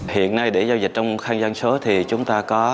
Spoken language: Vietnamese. hiện nay để giao dịch trong khăn doanh số thì chúng ta có